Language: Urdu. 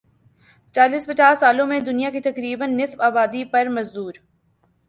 چالیس پچاس سالوں میں دنیا کی تقریبا نصف آبادی پر مزدور